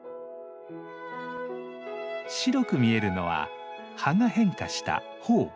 白く見えるのは葉が変化した苞。